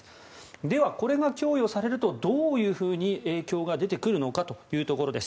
では、これが供与されるとどういうふうに影響が出てくるのかというところです。